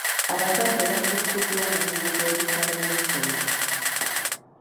Abazadde batikkuddwa omugugu gw'ebisale by'essomero.